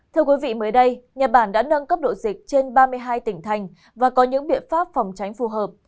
thưa quý vị mới đây nhật bản đã nâng cấp độ dịch trên ba mươi hai tỉnh thành và có những biện pháp phòng tránh phù hợp